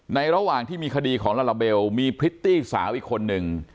ระหว่างที่มีคดีของลาลาเบลมีพริตตี้สาวอีกคนนึง